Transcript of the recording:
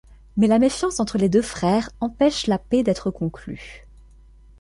Mais la méfiance entre les deux frères empêche la paix d'être conclue.